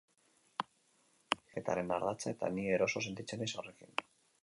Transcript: Inprobisazioa da lehiaketaren ardatza eta ni eroso sentitzen naiz horrekin.